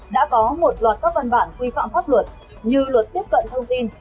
đã có một loạt các văn bản quy phạm pháp luật như luật tiếp cận thông tin